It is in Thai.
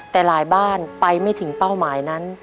แต่หลายบ้านไปไม่ถึงเป้าหมายนั้น